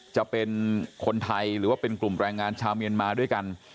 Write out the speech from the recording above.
จะเป็นคนไทยหรือว่าเป็นกลุ่มแรงงานชาวเมียนมาด้วยกัน